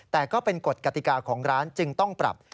แต่ก็เป็นกฎกติกาของร้านจึงต้องปรับ